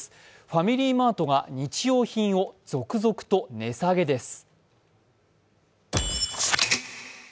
ファミリーマートが日用品を続々と値下げです。